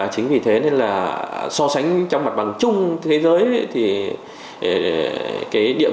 chính vì thế nên là so sánh trong mặt bằng chung thế giới thì cái địa vị của người phụ nữ việt nam